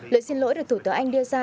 lời xin lỗi được thủ tướng anh đưa ra